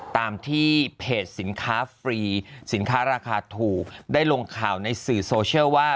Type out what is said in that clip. ตามที่เพจสินค้าฟรีสินค้าราคาถูกได้ลงข่าวในสื่อโซเชียลว่า